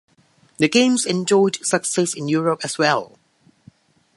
The games enjoyed success in Europe as well.